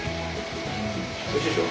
おいしいでしょ？